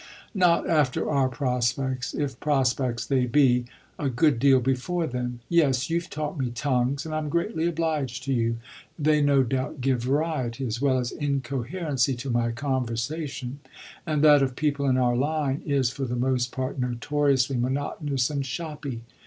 "Not after our prospects, if prospects they be: a good deal before them. Yes, you've taught me tongues and I'm greatly obliged to you they no doubt give variety as well as incoherency to my conversation; and that of people in our line is for the most part notoriously monotonous and shoppy.